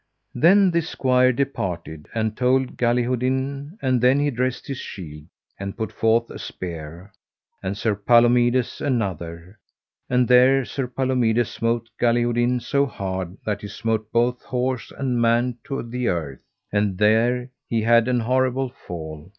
Then this squire departed and told Galihodin; and then he dressed his shield, and put forth a spear, and Sir Palomides another; and there Sir Palomides smote Galihodin so hard that he smote both horse and man to the earth. And there he had an horrible fall.